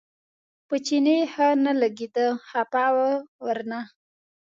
په چیني ښه نه لګېده خپه و ورنه.